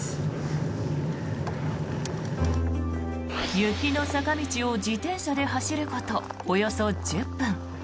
雪の坂道を自転車で走ることおよそ１０分。